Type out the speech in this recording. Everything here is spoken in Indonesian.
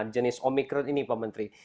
jenis omikron ini pak menteri